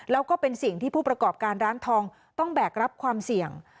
แล้วก็เป็นสิ่งที่ผู้ประกอบการร้านทองต้องแบกรับความเสี่ยง